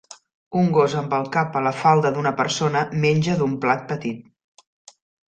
Un gos amb el cap a la falda d'una persona menja d'un plat petit.